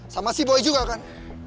sama si boy juga kan